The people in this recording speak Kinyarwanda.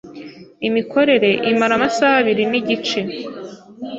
Imikorere imara amasaha abiri nigice.